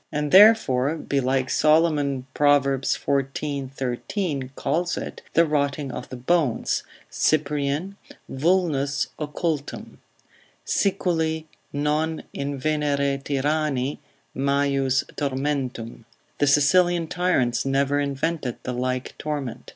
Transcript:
And therefore belike Solomon, Prov. xiv. 13, calls it, the rotting of the bones, Cyprian, vulnus occultum; ———Siculi non invenere tyranni Majus tormentum——— The Sicilian tyrants never invented the like torment.